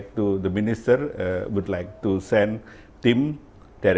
para minister ingin mengirim tim